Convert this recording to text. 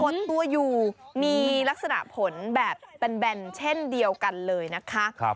ดตัวอยู่มีลักษณะผลแบบแบนเช่นเดียวกันเลยนะคะ